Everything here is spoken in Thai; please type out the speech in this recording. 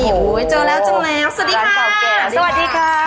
โอ้โหเจอแล้วจังแล้วสวัสดีค่ะสวัสดีค่ะ